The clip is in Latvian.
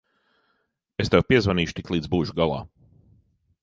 Es tev piezvanīšu, tiklīdz būšu galā.